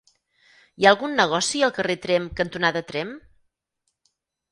Hi ha algun negoci al carrer Tremp cantonada Tremp?